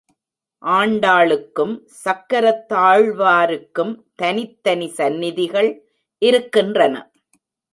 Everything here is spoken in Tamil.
ஆண்டாளுக்கும் சக்கரத் தாழ்வாருக்கும் தனித்தனி சந்நிதிகள் இருக்கின்றன.